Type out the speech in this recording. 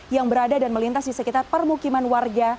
yang berada dan melintas di sekitar permukiman warga